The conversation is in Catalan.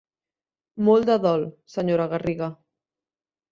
Molt de dol, senyora Garriga.